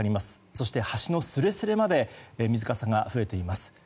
そして橋のすれすれまで水かさが増えています。